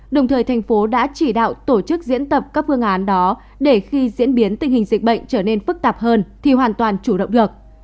đồng thời thành phố đã chỉ đạo tổ chức diễn tập các phương án đó để khi diễn biến tình hình dịch bệnh trở nên phức tạp hơn thì hoàn toàn chủ động được